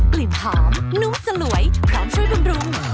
กลิ่นหอมนุ่มสลวยพร้อมช่วยบำรุง